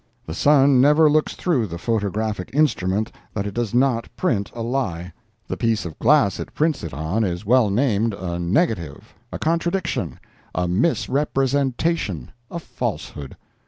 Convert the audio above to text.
The sun never looks through the photographic instrument that it does not print a lie. The piece of glass it prints it on is well named a 'negative"—a contradiction—a misrepresentation—a falsehood.